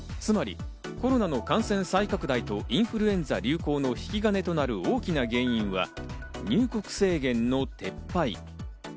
つまりコロナの感染再拡大とインフルエンザの大きな原因となるのは入国制限の撤廃。